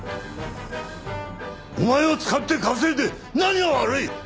お前を使って稼いで何が悪い！